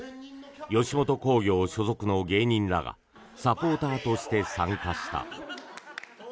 吉本興業所属の芸人らがサポーターとして参加した。